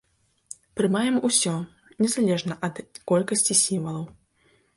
Прымаем усё, незалежна ад колькасці сімвалаў.